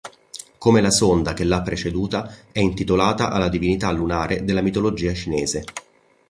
Come la sonda che l'ha preceduta, è intitolata alla divinità lunare della mitologia cinese.